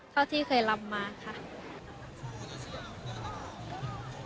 เท่าที่เคยรับมาค่ะ